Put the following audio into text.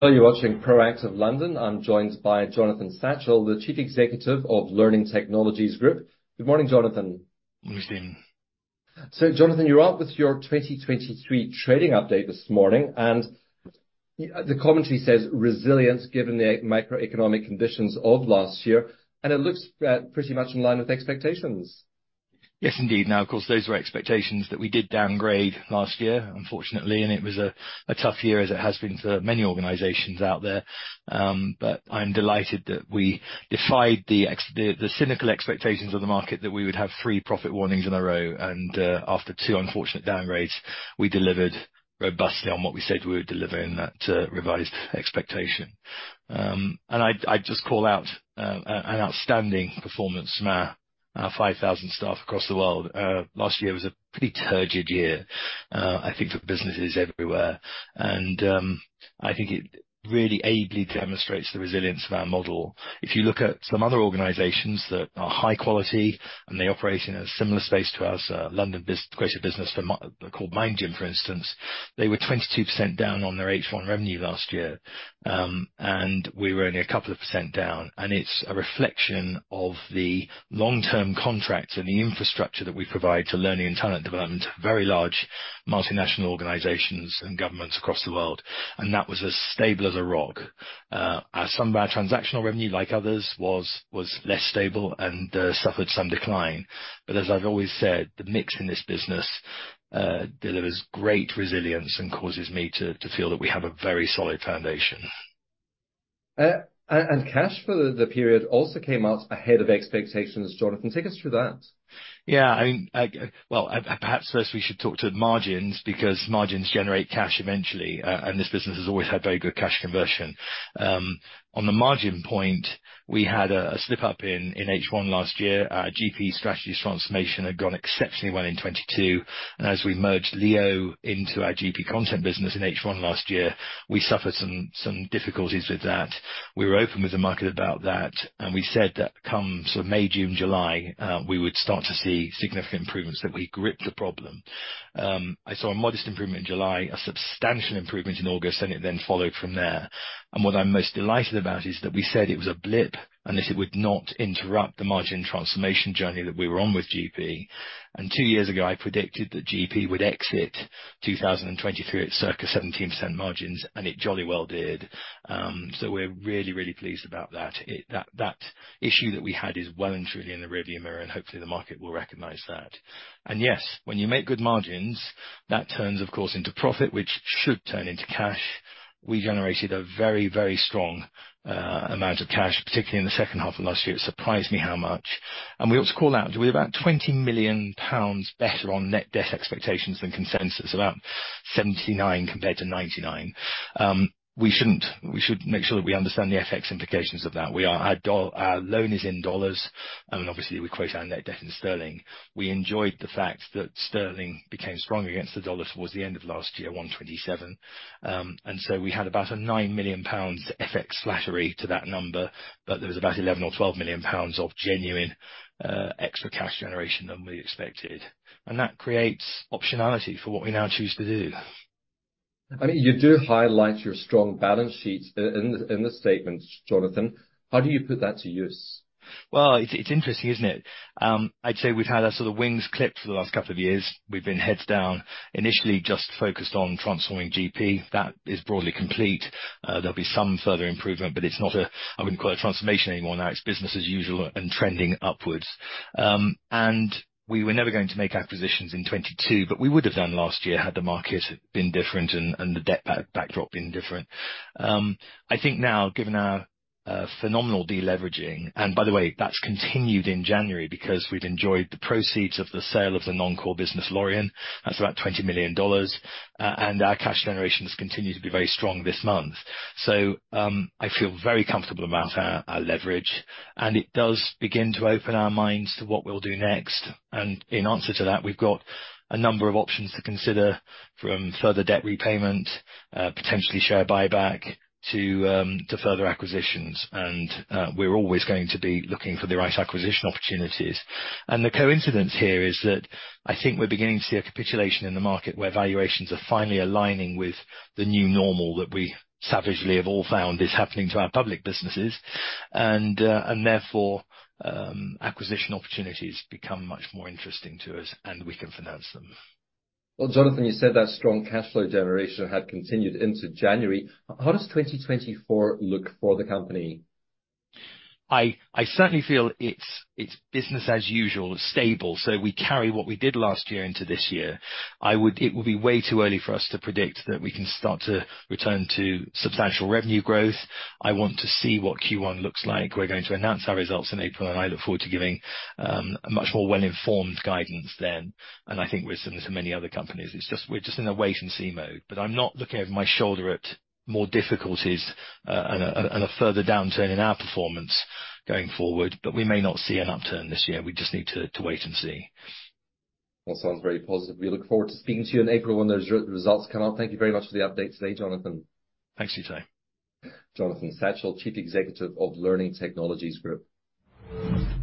Hello, you're watching Proactive London. I'm joined by Jonathan Satchell, the Chief Executive of Learning Technologies Group. Good morning, Jonathan. Good morning. So Jonathan, you're out with your 2023 trading update this morning, and the commentary says, "Resilience, given the macroeconomic conditions of last year," and it looks pretty much in line with expectations. Yes, indeed. Now, of course, those were expectations that we did downgrade last year, unfortunately, and it was a tough year, as it has been for many organizations out there. But I'm delighted that we defied the cynical expectations of the market, that we would have 3 profit warnings in a row, and after 2 unfortunate downgrades, we delivered robustly on what we said we would deliver in that revised expectation. And I'd just call out an outstanding performance from our 5,000 staff across the world. Last year was a pretty turgid year, I think, for businesses everywhere, and I think it really ably demonstrates the resilience of our model. If you look at some other organizations that are high quality and they operate in a similar space to us, a London-based great business called Mind Gym, for instance, they were 22% down on their H1 revenue last year. And we were only a couple of percent down, and it's a reflection of the long-term contracts and the infrastructure that we provide to learning and talent development, very large multinational organizations and governments across the world. And that was as stable as a rock. Some of our transactional revenue, like others, was less stable and suffered some decline. But as I've always said, the mix in this business delivers great resilience and causes me to feel that we have a very solid foundation. And cash for the period also came out ahead of expectations, Jonathan. Take us through that. Yeah, I mean, well, perhaps first we should talk to margins, because margins generate cash eventually, and this business has always had very good cash conversion. On the margin point, we had a slip-up in H1 last year. Our GP Strategies transformation had gone exceptionally well in 2022, and as we merged LEO into our GP content business in H1 last year, we suffered some difficulties with that. We were open with the market about that, and we said that come sort of May, June, July, we would start to see significant improvements, that we gripped the problem. I saw a modest improvement in July, a substantial improvement in August, and it then followed from there. What I'm most delighted about is that we said it was a blip, and this would not interrupt the margin transformation journey that we were on with GP. 2 years ago, I predicted that GP would exit 2023 at circa 17% margins, and it jolly well did. So we're really, really pleased about that. That issue that we had is well and truly in the rearview mirror, and hopefully, the market will recognize that. Yes, when you make good margins, that turns, of course, into profit, which should turn into cash. We generated a very, very strong amount of cash, particularly in the H2 of last year. It surprised me how much. We also call out, we have about 20 million pounds better on net debt expectations than consensus, about 79 million compared to 99 million. We should make sure that we understand the FX implications of that. Our loan is in dollars, and obviously, we quote our net debt in sterling. We enjoyed the fact that sterling became stronger against the dollar towards the end of last year, 1.27. And so we had about 9 million pounds FX tailwind to that number, but there was about 11 million or 12 million pounds of genuine extra cash generation than we expected, and that creates optionality for what we now choose to do. I mean, you do highlight your strong balance sheet in the statements, Jonathan. How do you put that to use? Well, it's interesting, isn't it? I'd say we've had our sort of wings clipped for the last couple of years. We've been heads down, initially just focused on transforming GP. That is broadly complete. There'll be some further improvement, but it's not a... I wouldn't call it transformation anymore now, it's business as usual and trending upwards. And we were never going to make acquisitions in 2022, but we would have done last year had the market been different and the debt backdrop been different. I think now, given our a phenomenal deleveraging, and by the way, that's continued in January, because we've enjoyed the proceeds of the sale of the non-core business, Lorien. That's about $20 million, and our cash generations continue to be very strong this month. So, I feel very comfortable about our leverage, and it does begin to open our minds to what we'll do next. In answer to that, we've got a number of options to consider, from further debt repayment, potentially share buyback, to further acquisitions, and we're always going to be looking for the right acquisition opportunities. The coincidence here is that I think we're beginning to see a capitulation in the market, where valuations are finally aligning with the new normal that we savagely have all found is happening to our public businesses. Therefore, acquisition opportunities become much more interesting to us, and we can finance them. Well, Jonathan, you said that strong cashflow generation had continued into January. How does 2024 look for the company? I certainly feel it's business as usual, stable, so we carry what we did last year into this year. It would be way too early for us to predict that we can start to return to substantial revenue growth. I want to see what Q1 looks like. We're going to announce our results in April, and I look forward to giving a much more well-informed guidance then. And I think similar to many other companies, it's just we're just in a wait-and-see mode. But I'm not looking over my shoulder at more difficulties and a further downturn in our performance going forward. But we may not see an upturn this year. We just need to wait and see. Well, it sounds very positive. We look forward to speaking to you in April when those results come out. Thank you very much for the update today, Jonathan. Thank you, Ty. Jonathan Satchell, Chief Executive of Learning Technologies Group.